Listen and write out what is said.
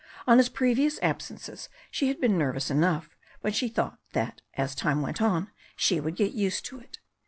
On his previous absences she had been nervous enough, but she thought that as time went on she would get used to it.